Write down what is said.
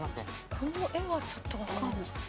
この絵はちょっとわからない。